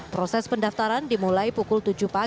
proses pendaftaran dimulai pukul tujuh tiga puluh